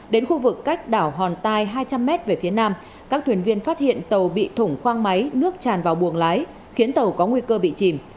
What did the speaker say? đến khu vực cách đảo hòn tai hai trăm linh m về phía nam các thuyền viên phát hiện tàu bị thủng khoang máy nước tràn vào buồng lái khiến tàu có nguy cơ bị chìm